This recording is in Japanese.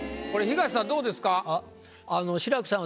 これ東さんどうですか？